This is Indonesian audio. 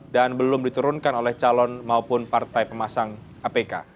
dan belum diturunkan oleh calon maupun partai pemasang apk